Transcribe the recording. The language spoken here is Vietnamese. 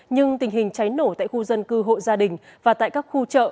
nhưng tình hình cháy nổ tại khu dân cư hộ gia đình và tại các khu chợ